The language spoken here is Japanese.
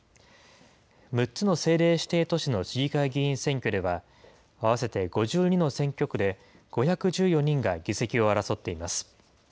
６つの政令指定都市の市議会議員選挙では、合わせて５２の選挙区で５１４人が議席を争っています。